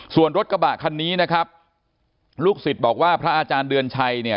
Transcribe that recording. ส่วนรถกระบะคันนี้นะครับลูกศิษย์บอกว่าพระอาจารย์เดือนชัยเนี่ย